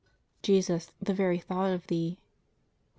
Jesus, the Very Thought of Thee (REV.